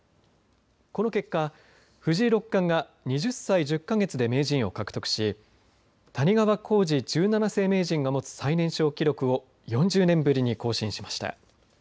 この結果、藤井六冠が２０歳１０か月で名人を獲得し谷川浩司十七世名人が持つ最年少記録を４０年ぶりに更新しました。